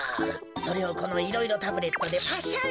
それをこのいろいろタブレットでパシャリ。